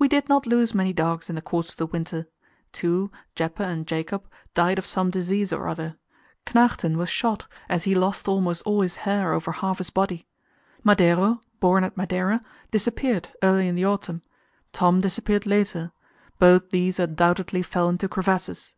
We did not lose many dogs in the course of the winter. Two Jeppe and Jakob died of some disease or other. Knægten was shot, as he lost almost all his hair over half his body. Madeiro, born at Madeira, disappeared early in the autumn; Tom disappeared later both these undoubtedly fell into crevasses.